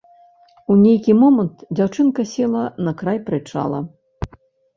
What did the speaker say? У нейкі момант дзяўчынка села на край прычала.